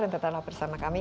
dan tetap bersama kami